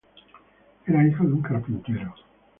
Era hijo de un carpintero.